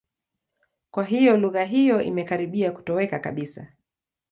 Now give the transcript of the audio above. Kwa hiyo lugha hiyo imekaribia kutoweka kabisa.